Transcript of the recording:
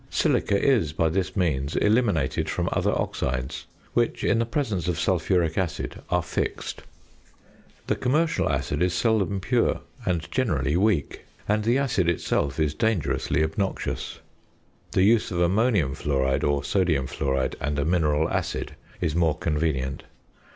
Silica is by this means eliminated from other oxides, which, in the presence of sulphuric acid, are fixed. The commercial acid is seldom pure, and generally weak; and the acid itself is dangerously obnoxious. The use of ammonium fluoride (or sodium fluoride) and a mineral acid is more convenient.